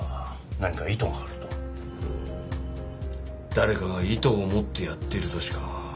誰かが意図を持ってやってるとしか。